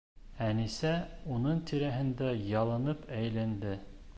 Әнисә уның тирәһендә ялынып әйләнде.